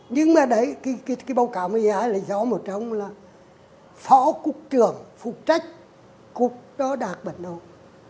nhưng mà đấy cái báo cáo mới ra là lý do một trong là phó cục trưởng phục trách cục đó đạt bất đồng